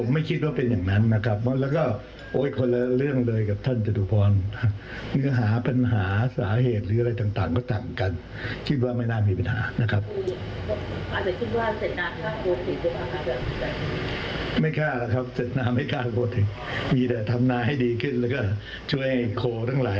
ไม่ค่าแหละครับเสร็จนาไม่ค่าโคถึมีแต่ทำนาให้ดีขึ้นแล้วก็ช่วยไขโคทั้งหลาย